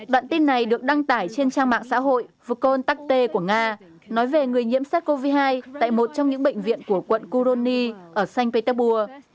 đoạn tin này được đăng tải trên trang mạng xã hội vukontakte của nga nói về người nhiễm sars cov hai tại một trong những bệnh viện của quận kuronyi ở sankt petersburg